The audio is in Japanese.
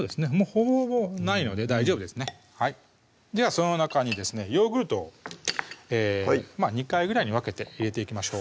ほぼほぼないので大丈夫ですねではその中にですねヨーグルトをまぁ２回ぐらいに分けて入れていきましょう